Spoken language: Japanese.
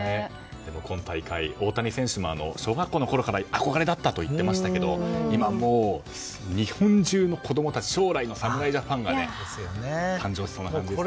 今大会、大谷選手も小学校のころから憧れだったと言っていましたが今、もう日本中の子供たち将来の侍ジャパンが誕生しそうですね。